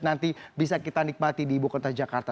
nanti bisa kita nikmati di ibu kota jakarta